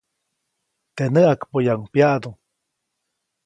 Teʼ näʼakpoyaʼuŋ pyaʼdu.